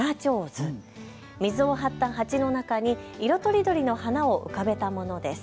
水を張った鉢の中に色とりどりの花を浮かべたものです。